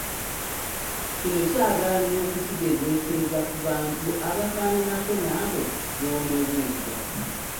Kino kyagala n’okukigezesereza ku bantu abafaananako n’abo b’onoobuuza.